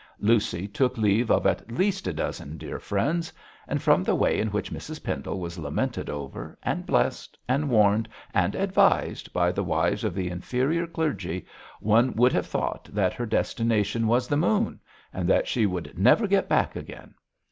Lucy took leave of at least a dozen dear friends; and from the way in which Mrs Pendle was lamented over, and blessed, and warned, and advised by the wives of the inferior clergy, one would have thought that her destination was the moon, and that she would never get back again.